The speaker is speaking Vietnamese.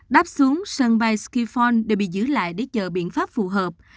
đáp xuống sân bay skifone đều bị giữ lại để chờ biện pháp phù hợp